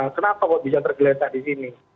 kenapa kok bisa tergeletak di sini